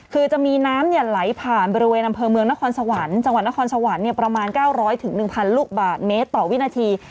คือจะมีน้ำไหลผ่านบริเวณอำเภอเมืองนครสวรรค์จังหวัดนครสวรรค์ประมาณ๙๐๐๑๐๐ลูกบาทเมตรต่อวินาที